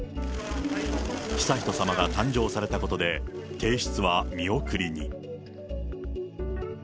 悠仁さまが誕生されたことで、提出は見送りに。